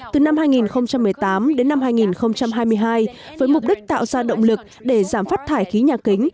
từ năm hai nghìn một mươi tám đến năm hai nghìn hai mươi hai với mục đích tạo ra động lực để giảm phát thải khí nhà kính